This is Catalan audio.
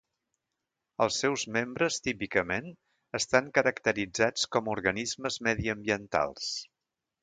Els seus membres típicament estan caracteritzats com a organismes mediambientals.